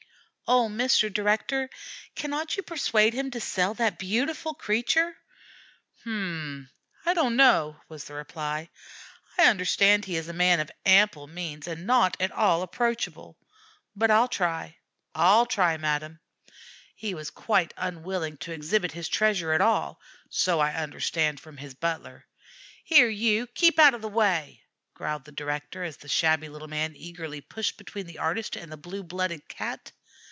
"Oh, Mr. Director, cannot you persuade him to sell that beautiful creature?" "Hm, I don't know," was the reply. "I understand he is a man of ample means and not at all approachable; but I'll try, I'll try, madame. He was quite unwilling to exhibit his treasure at all, so I understand from his butler. Here, you, keep out of the way," growled the director, as the shabby little man eagerly pushed between the artist and the blue blooded Cat.